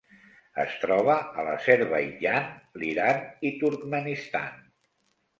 Es troba a l'Azerbaidjan, l'Iran i Turkmenistan.